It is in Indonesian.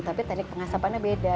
tapi teknik pengasapannya beda